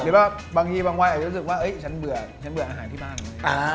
บางทีบางวัยอาจจะรู้สึกว่าฉันเบื่อฉันเบื่ออาหารที่บ้าน